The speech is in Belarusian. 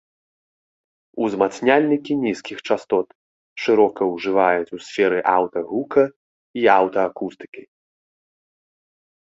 Узмацняльнікі нізкіх частот шырока ўжываюць у сферы аўтагука і аўтаакустыкі.